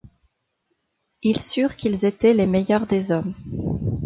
Ils surent qu’ils étaient les meilleurs des hommes.